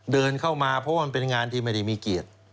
เดินเข้ามาเพราะว่ามันเป็นงานที่ไม่ได้มีเกียรติ